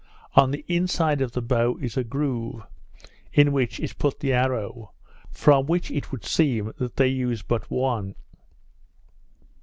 On the inside of the bow is a groove, in which is put the arrow; from which it would seem that they use but one.